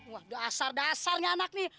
wah dasar dasarnya anak nih